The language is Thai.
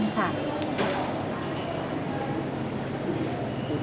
ขอบคุณค่ะ